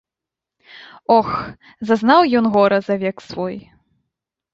Ох, зазнаў ён гора за век свой.